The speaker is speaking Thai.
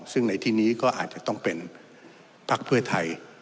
ซึ่งในที่นี้ก็อาจจะต้องเป็นพักเพื่อไทย